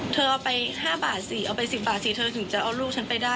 เธอเอาไป๕บาทสิเอาไป๑๐บาทสิเธอถึงจะเอาลูกฉันไปได้